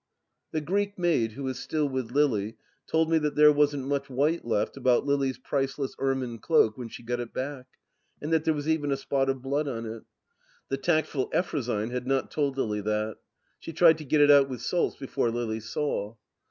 The Greek maid, who is still with Lily, told me that there wasn't much white left about Lily's priceless ermine cloak when she got it back, and that there was even a spot of blood on it. The tactful Effrosyne has not told Lily that. She tried to get it out with salts before Lily saw.